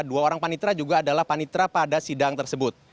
dua orang panitra juga adalah panitra pada sidang tersebut